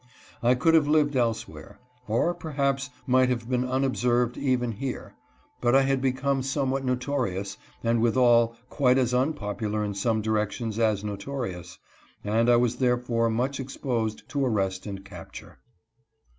I could have lived elsewhere, or perhaps might have been unob served even here, but I had become somewhat notorious, and withal quite as unpopular in some directions as no torious, and I was therefore much exposed to arrest and capture.